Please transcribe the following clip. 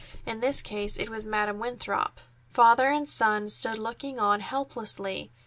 In this case it was Madam Winthrop. Father and son stood looking on helplessly.